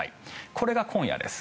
これが今夜です。